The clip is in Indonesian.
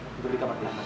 tidur di kamar belakang